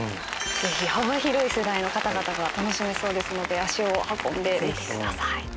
ぜひ幅広い世代の方々が楽しめそうですので足を運んでみてください。